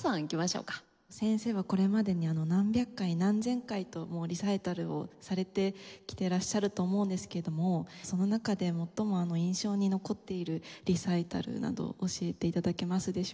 先生はこれまでに何百回何千回とリサイタルをされてきていらっしゃると思うんですけどもその中で最も印象に残っているリサイタルなど教えて頂けますでしょうか？